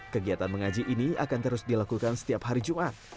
kegiatan mengaji ini akan terus dilakukan setiap hari jumat